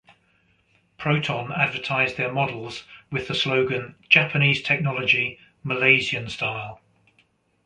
Proton advertised their models with the slogan "Japanese Technology, Malaysian Style".